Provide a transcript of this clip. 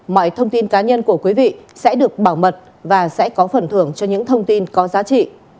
mọi thông tin cá nhân của quý vị sẽ được bảo mật và sẽ có phần thưởng cho những thông tin có giá trị